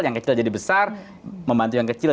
yang kecil jadi besar membantu yang kecil